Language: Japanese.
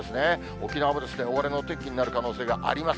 沖縄も大荒れのお天気になる可能性があります。